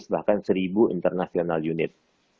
delapan ratus bahkan seribu international unit